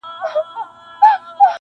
• زاړه خلک چوپتيا خوښوي ډېر..